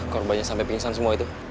korbannya sampai pingsan semua itu